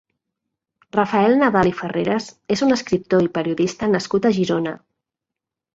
Rafael Nadal i Farreras és un escriptor i periodista nascut a Girona.